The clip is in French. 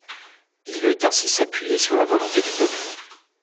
Il veut ainsi s'appuyer sur la volonté du peuple.